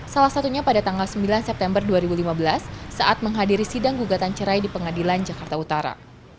salah satunya pada tanggal sembilan september dua ribu lima belas saat menghadiri sidang gugatan cerai di pengadilan jakarta utara